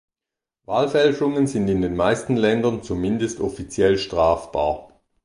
Wahlfälschungen sind in den meisten Ländern zumindest offiziell strafbar.